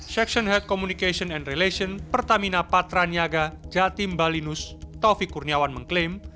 seksyen head communication and relations pertamina patranyaga jatim balinus taufikurniawan mengklaim